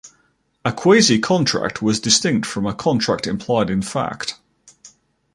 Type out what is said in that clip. A quasi-contract was distinct from a contract implied in fact.